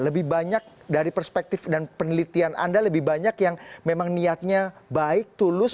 lebih banyak dari perspektif dan penelitian anda lebih banyak yang memang niatnya baik tulus